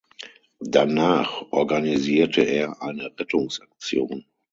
Danach organisierte er eine Rettungsaktion.